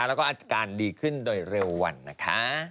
แล้วก็อาการดีขึ้นโดยเร็ววันนะคะ